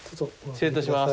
失礼いたします。